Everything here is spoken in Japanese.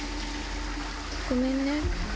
ごめんね。